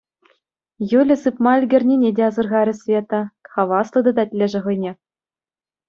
Юля сыпма ӗлкӗрнине те асӑрхарӗ Света, хаваслӑ тытать лешӗ хӑйне.